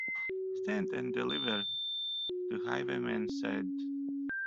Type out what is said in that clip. Stand and deliver, the highwayman said.